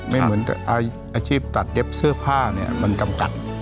ไม่เหมือนอาชีพตัดเย็บเสื้อผ้าเนี่ยมันจำกัด